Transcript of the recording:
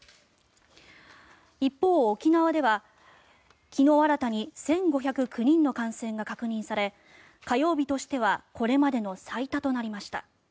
一方、沖縄では昨日新たに１５０９人の感染が確認され火曜日としてはこれまでの最多となりました。